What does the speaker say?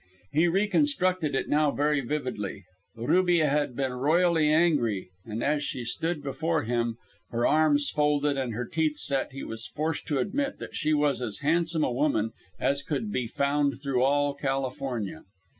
He reconstructed it now very vividly. Rubia had been royally angry, and as she had stood before him, her arms folded and her teeth set, he was forced to admit that she was as handsome a woman as could be found through all California.